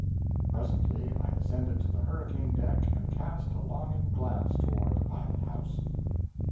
Presently I ascended to the hurricane deck and cast a longing glance toward the pilot house.